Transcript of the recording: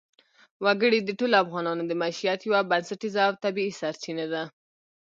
وګړي د ټولو افغانانو د معیشت یوه بنسټیزه او طبیعي سرچینه ده.